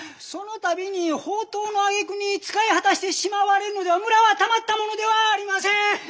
その度に放蕩のあげくに使い果たしてしまわれるのでは村はたまったものではありません！